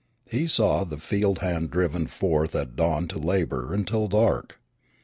He saw the field hand driven forth at dawn to labor until dark.